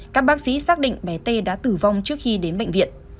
các bác sĩ xác định bé t đã tử vong trước khi đến bệnh viện